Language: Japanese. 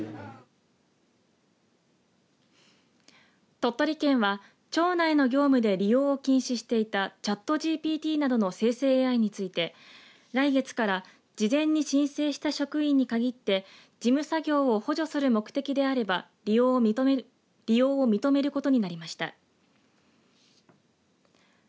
鳥取県は町内の業務で利用を禁止していたチャットＧＰＴなどの生成ＡＩについて、来月から事前に申請した職員に限って事務作業を補助する目的であれば利用を認めることになりました。